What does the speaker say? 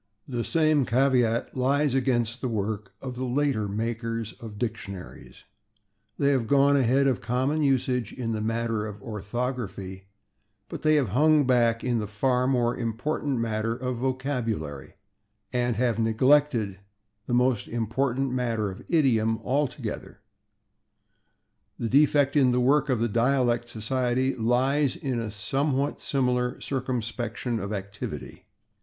The same caveat lies against the work of the later makers of dictionaries; they have gone ahead of common usage in the matter of orthography, but they have hung back in the far more important matter of vocabulary, and have neglected the most important matter of idiom altogether. The defect in the work of the Dialect Society lies in a somewhat similar circumscription of activity.